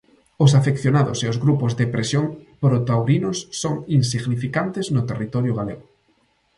Os afeccionados e os grupos de presión protaurinos son insignificantes no territorio galego.